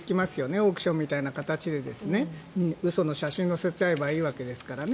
オークションみたいな形で嘘の写真を載せちゃえばいいわけですからね。